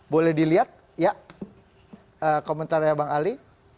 boleh dilihat ya komentarnya bang ali